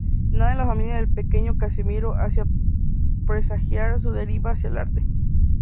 Nada en la familia del pequeño Casimiro hacía presagiar su deriva hacia el arte.